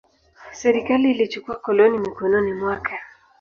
Serikali ilichukua koloni mikononi mwake.